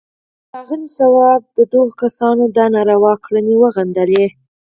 ښاغلي شواب د دغو کسانو دا ناوړه کړنې وغندلې